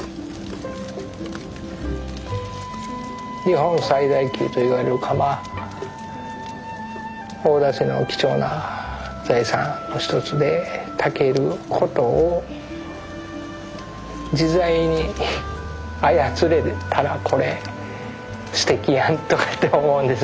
日本最大級といわれる窯大田市の貴重な財産の一つでたけることを自在に操れたらこれすてきやんとかって思うんです